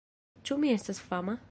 Ĉu mi estas fama?